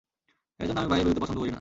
এজন্য আমি বাইরে বেরুতে পছন্দ করিনা।